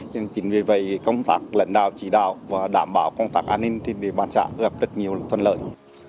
nên chính vì vậy công tác lãnh đạo chỉ đạo và đảm bảo công tác an ninh trên địa bàn xã gặp rất nhiều thuận lợi